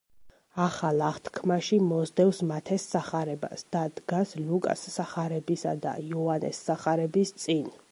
ახალ აღთქმაში მოსდევს მათეს სახარებას და დგას ლუკას სახარებისა და იოანეს სახარების წინ.